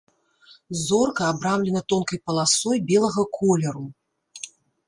Зорка абрамлена тонкай паласой белага колеру.